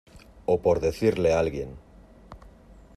o por decirle a alguien.